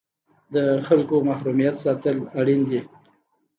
د خلکو محرمیت ساتل اړین دي؟